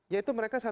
ya itu mereka satu